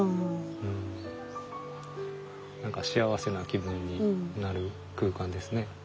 何か幸せな気分になる空間ですね。